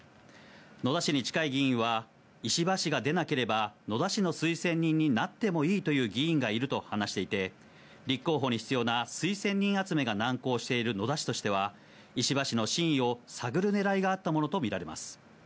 野田氏に近い議員は、石破氏が出なければ、野田氏の推薦人になってもいいと言う議員がいると話していて、立候補に必要な推薦人集めが難航している野田氏としては、石破氏の真意を探るねらいがあったものと見られます。